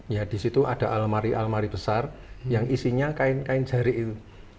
ya di situ ada almari almari besar yang isinya kain kain jari itu